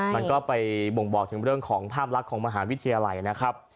มันก็ไปบ่งบอกถึงเรื่องของภาพลักษณ์ของมหาวิทยาลัยนะครับ